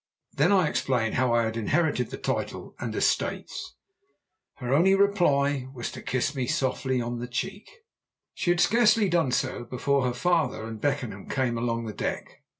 Then I explained how I had inherited the title and estates. Her only reply was to kiss me softly on the cheek. She had scarcely done so before her father and Beckenham came along the deck.